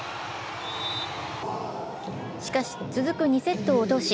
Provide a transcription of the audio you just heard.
しかし、続く２セットを落とし